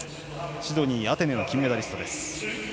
シドニー、アテネの金メダリスト。